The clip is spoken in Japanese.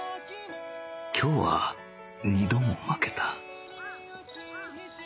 今日は２度も負けた